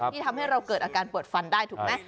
ที่ทำให้เราเกิดอาการปวดฟันได้ถูกไหม